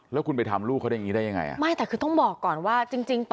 แล้วคุณไปทำลูกเขาได้ยังไงไม่แต่คือต้องบอกก่อนว่าจริง